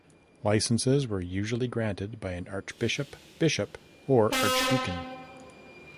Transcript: Licences were usually granted by an archbishop, bishop or archdeacon.